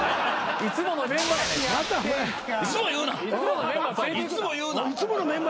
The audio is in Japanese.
いつものメンバーやないか。